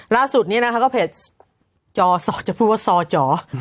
ล่าสุดนี้นะคะก็เพจจอสจะพูดว่าซอจ๋